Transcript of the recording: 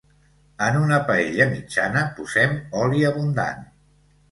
En una paella mitjana posem oli abundant.